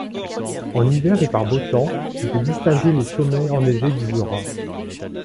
En hiver et par beau temps, on peut discerner les sommets enneigés du Jura.